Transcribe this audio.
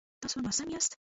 تاسو ناسم یاست